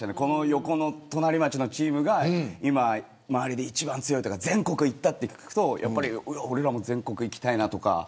横の隣町のチームが今、周りで一番強いとか全国行ったって聞くと俺らも全国行きたいなとか。